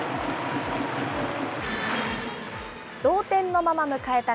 同点のまま迎えた